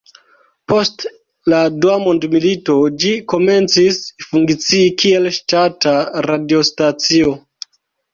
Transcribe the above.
Post la Dua Mondmilito ĝi komencis funkcii kiel ŝtata radiostacio.